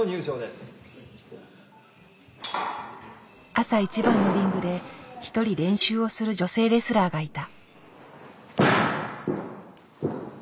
朝一番のリングで一人練習をする女性レスラーがいた。